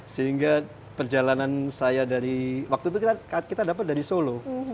sehingga perjalanan saya dari waktu itu kita dapat dari solo